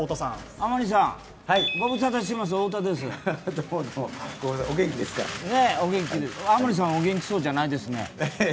甘利さんはお元気そうじゃないですね。